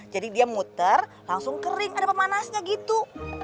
jadi dia muter langsung kering ada pemanasnya gitu